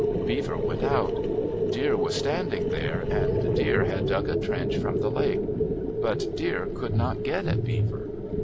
Beaver went out. Deer was standing there, and Deer had dug a trench from the lake. But Deer could not get at Beaver.